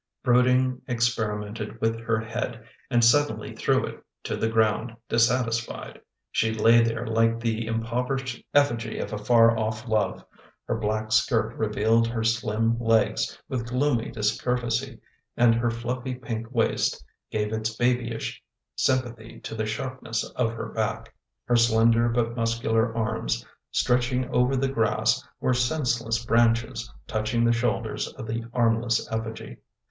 Blooding experi mented with her head and suddenly threw it to the ground, dissatisfied. She lay there like die impoverished effigy of a far off love — her Mack skirt revealed her slim legs, with gloomy discourtesy, and her fluffy pink waist gave its babyish sympathy to the sharpness of her back. Her slender but muscular arms, stretching over the grass, were senseless branches touching the shoulders of the armless effigy.